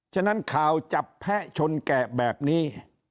ฉะนั้นข่าวจับแพะชนแกะแบบนี้